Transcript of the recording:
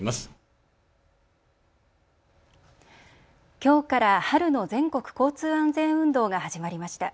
きょうから春の全国交通安全運動が始まりました。